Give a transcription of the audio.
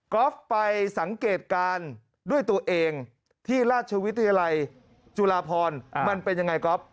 อล์ฟไปสังเกตการณ์ด้วยตัวเองที่ราชวิทยาลัยจุฬาพรมันเป็นยังไงก๊อฟ